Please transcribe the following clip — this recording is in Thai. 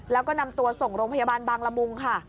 แล้วก็นำตัวส่งโรงพยาบาลบางละมุงค่ะ